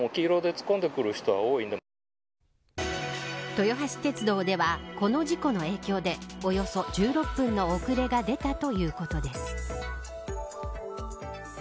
豊橋鉄道ではこの事故の影響でおよそ１６分の遅れが出たということです。